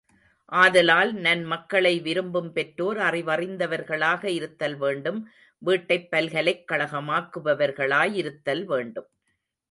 ஆதலால் நன்மக்களை விரும்பும் பெற்றோர் அறிவறிந்தவர்களாக இருத்தல் வேண்டும் வீட்டைப் பல்கலைக் கழகமாக்குபவர்களாய் இருத்தல் வேண்டும்.